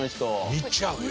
見ちゃうよ。